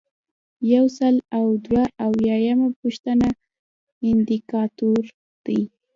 یو سل او دوه اویایمه پوښتنه اندیکاتور دی.